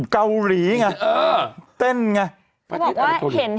เกาหลีไงเออเต้นไงเขาบอกว่าเห็น